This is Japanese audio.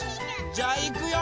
じゃあいくよ。